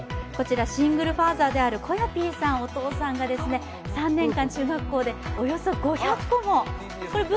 シングルファーザーであるｋｏｙａｐさん、お父さんがが３年間中学校で、およそ５００個も。